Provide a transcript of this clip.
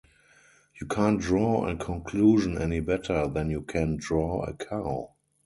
You can't draw a conclusion any better than you can draw a cow.